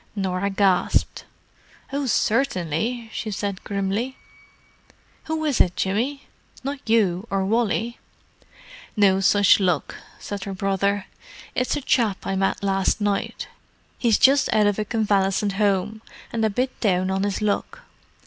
Norah gasped. "Oh, certainly!" she said, grimly. "Who is it, Jimmy? Not you or Wally?" "No such luck," said her brother. "It's a chap I met last night; he's just out of a convalescent home, and a bit down on his luck."